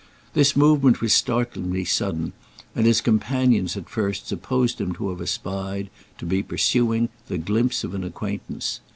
This movement was startlingly sudden, and his companions at first supposed him to have espied, to be pursuing, the glimpse of an acquaintance.